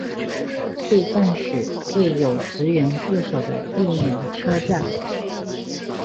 废站时为有职员驻守的地面车站。